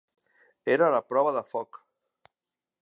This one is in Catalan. Era la prova de foc.